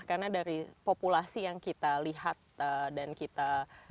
karena dari populasi yang kita lihat dan kita